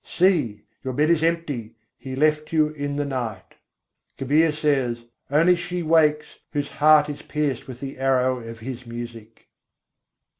See! your bed is empty: He left you in the night. Kabîr says: "Only she wakes, whose heart is pierced with the arrow of His music."